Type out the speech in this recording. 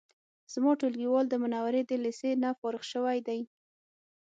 زما ټولګیوال د منورې د لیسې نه فارغ شوی دی